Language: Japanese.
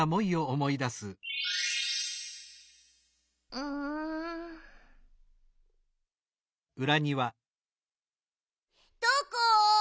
うん。どこ？